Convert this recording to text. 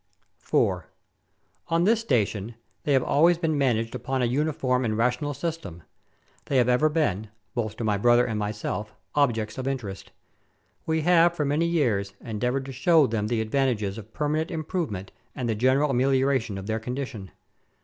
4. On this station, they have always been managed upon a uniform and rational system ; they have ever been, both to my brother and myself, objects of interest. We have for many years endeavoured to show them the advantages of permanent improve ment and the general amelioration of their condition.